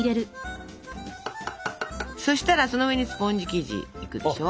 そしたらその上にスポンジ生地敷くでしょ。